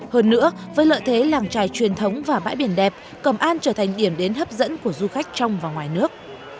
hơn nữa với lợi thế làng trài truyền thống và bãi biển đẹp cầm an trở thành điểm đến hấp dẫn của du khách trong và ngoài nước